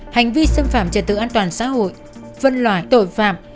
hành vi xâm phạm trật tự an toàn xã hội phân loại tội phạm